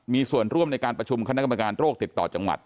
มีส่วนร่วมในการประชุมคณะกรรมการโรคติดต่อจังหวัด